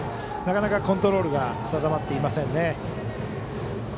なかなかコントロールが定まっていませんね。